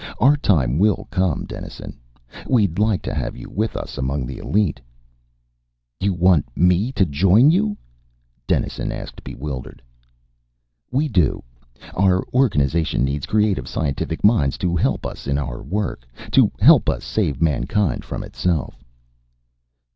Our time will come, Dennison! We'd like to have you with us, among the elite." "You want me to join you?" Dennison asked, bewildered. "We do. Our organization needs creative scientific minds to help us in our work, to help us save mankind from itself."